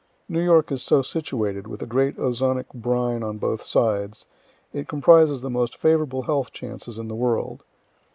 New York is so situated, with the great ozonic brine on both sides, it comprises the most favorable health chances in the world.